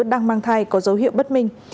đang mang thai có dấu hiệu bất minh